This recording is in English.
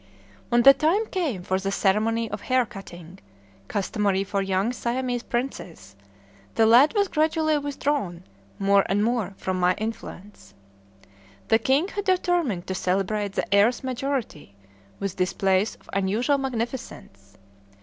When the time came for the ceremony of hair cutting, customary for young Siamese princes, the lad was gradually withdrawn, more and more, from my influence. The king had determined to celebrate the heir's majority with displays of unusual magnificence.